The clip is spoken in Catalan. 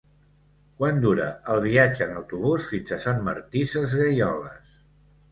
Quant dura el viatge en autobús fins a Sant Martí Sesgueioles?